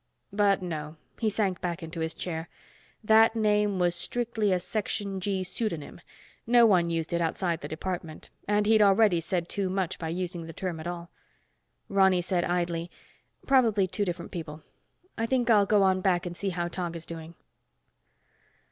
But, no, he sank back into his chair. That name was strictly a Section G pseudonym. No one used it outside the department, and he'd already said too much by using the term at all. Ronny said idly, "Probably two different people. I think I'll go on back and see how Tog is doing."